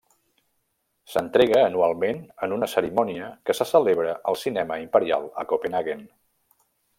S'entrega anualment en una cerimònia que se celebra al Cinema Imperial a Copenhaguen.